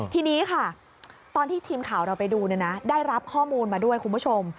ทีนี้ค่ะตอนที่ทีมข่าวเราไปดูได้รับข้อมูลมาด้วยคุณผู้ชม